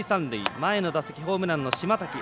前の打席、ホームランの島瀧。